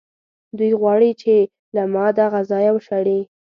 دوی غواړي چې ما له دغه ځایه وشړي.